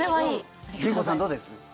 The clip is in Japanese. りんこさんどうです？